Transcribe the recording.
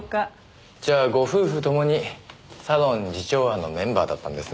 じゃあご夫婦ともにサロン慈朝庵のメンバーだったんですね。